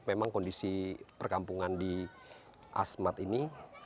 memang kondisi perkampungan di asmat ini